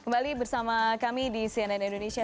kembali bersama kami di cnn indonesia